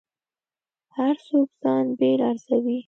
هر څوک ځان بېل ارزوي.